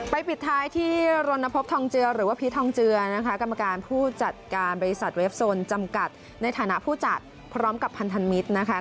ปิดท้ายที่รณพบทองเจือหรือว่าพีชทองเจือนะคะกรรมการผู้จัดการบริษัทเวฟโซนจำกัดในฐานะผู้จัดพร้อมกับพันธมิตรนะคะ